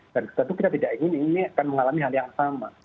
dan tentu kita tidak ingin ini akan mengalami hal yang sama